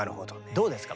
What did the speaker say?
どうですかこれ？